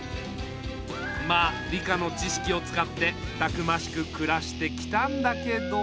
まあ理科の知識を使ってたくましくくらしてきたんだけど。